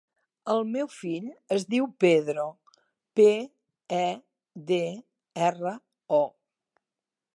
El meu fill es diu Pedro: pe, e, de, erra, o.